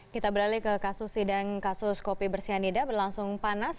kita beralih ke kasus sidang kasus kopi bersianida berlangsung panas